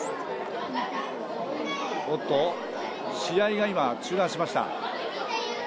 試合が今、中断しました。